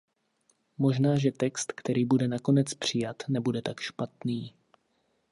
Možná že text, který bude nakonec přijat, nebude tak špatný.